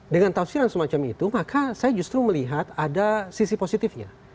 dengan tafsiran semacam itu maka saya justru melihat ada sisi positifnya